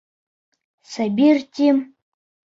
Сабир, тим!